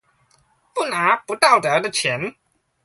不拿不道德的錢